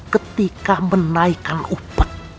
ketika menaikan upeti